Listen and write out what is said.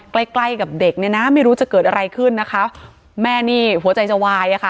ใกล้ใกล้กับเด็กเนี่ยนะไม่รู้จะเกิดอะไรขึ้นนะคะแม่นี่หัวใจจะวายอ่ะค่ะ